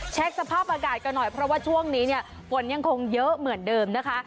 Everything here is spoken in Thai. สภาพอากาศกันหน่อยเพราะว่าช่วงนี้เนี่ยฝนยังคงเยอะเหมือนเดิมนะคะ